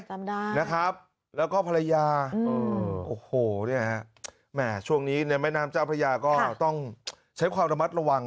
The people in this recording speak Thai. จำได้นะครับแล้วก็ภรรยาโอ้โหเนี่ยฮะแหม่ช่วงนี้ในแม่น้ำเจ้าพระยาก็ต้องใช้ความระมัดระวัง